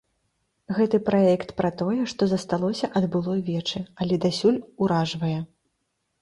Гэты праект пра тое, што засталося ад былой вечы, але дасюль уражвае.